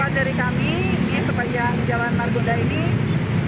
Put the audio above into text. mudah mudahan diikuti oleh wilayah wilayah lainnya